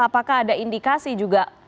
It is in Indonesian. apakah ada indikasi juga